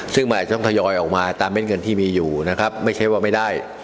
ซึ่งมันอาจจะต้องทยอยออกมาตามเม็ดเงินที่มีอยู่นะครับไม่ใช่ว่าไม่ได้